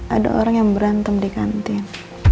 ada orang yang berantem di kantin